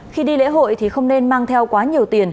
khi đi lễ hội thì không nên mang theo quá nhiều tiền